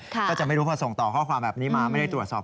ก็จะไม่รู้พอส่งต่อข้อความแบบนี้มาไม่ได้ตรวจสอบ